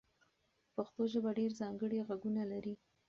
پښتو ژبه ډېر ځانګړي غږونه لري.